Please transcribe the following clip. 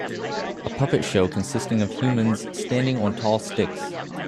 A puppet show consisting of humans standing on tall sticks